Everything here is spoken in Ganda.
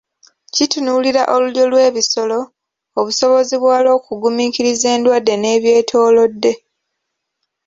Kitunuulira olulyo lw'ebisolo, obusobozi bwalwo okugumiikiriza endwadde n'ebyetoolodde.